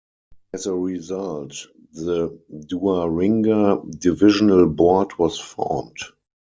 As a result, the Duaringa Divisional Board was formed.